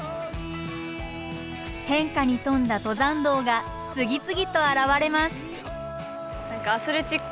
変化に富んだ登山道が次々と現れます。